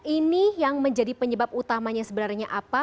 ini yang menjadi penyebab utamanya sebenarnya apa